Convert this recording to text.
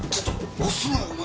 押すなよお前。